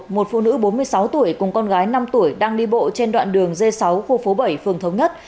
một phụ nữ bốn mươi sáu tuổi cùng con gái năm tuổi đang đi bộ trên đoạn đường g sáu khu phố bảy phường thống nhất